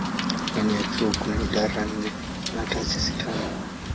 Ndani ya chuo kuna idara nne na taasisi tano.